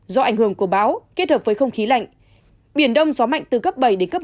do ảnh hưởng của bão kết hợp với không khí lạnh biển đông gió mạnh từ cấp bảy đến cấp năm